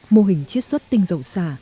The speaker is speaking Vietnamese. mô hình chiết xuất tinh dầu xả